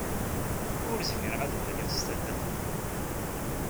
Ur zmireɣ ad waliɣ s tafat-a.